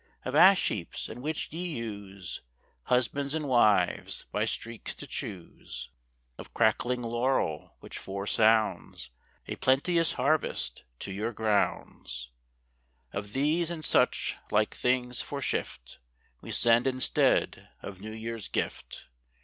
Of ash heaps, in the which ye use Husbands and wives by streaks to chuse; Of crackling laurel, which fore sounds A plenteous harvest to your grounds; Of these, and such like things, for shift, We send instead of New year's gift.